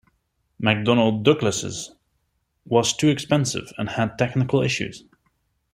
McDonnell Douglas's was too expensive and had technical issues.